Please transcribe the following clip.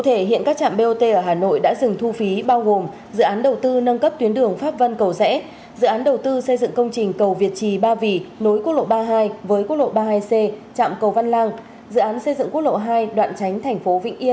hai trạm do ủy ban quản lý vốn nhà nước quản lý